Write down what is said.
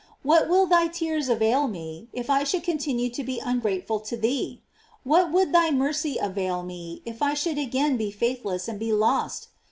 What will thy tears avail me if I should continue to be ungrateful to thee? What would thy mercy avail me if I should again be faithless and be lost?